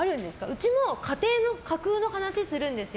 うちも、家庭の架空の話するんですよ。